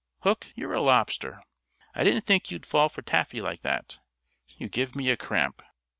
Hook, you're a lobster. I didn't think you'd fall for taffy like that. You give me a cramp."